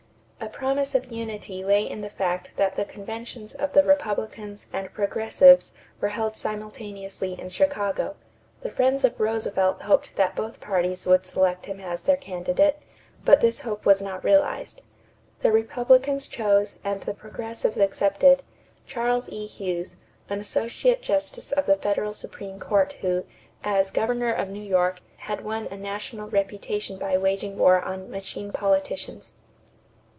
A promise of unity lay in the fact that the conventions of the Republicans and Progressives were held simultaneously in Chicago. The friends of Roosevelt hoped that both parties would select him as their candidate; but this hope was not realized. The Republicans chose, and the Progressives accepted, Charles E. Hughes, an associate justice of the federal Supreme Court who, as governor of New York, had won a national reputation by waging war on "machine politicians."